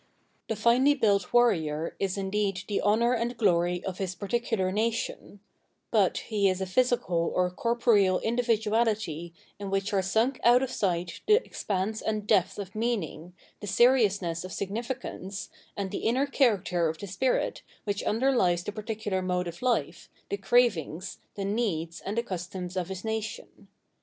The finely built warrior is indeed the honour and glory of his particular nation; but he is a physical or cor poreal individuahty in which are sunk out of sight the expanse and depth of meaning, the seriousness of sig nificance, and the inner character of the spirit which underlies the particular mode of life, the cravings, the needs and the customs of his nation.